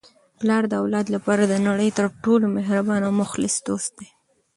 پلار د اولاد لپاره د نړۍ تر ټولو مهربانه او مخلص دوست دی.